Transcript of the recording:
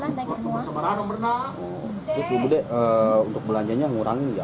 gak apa apa mahal kita bingung jualannya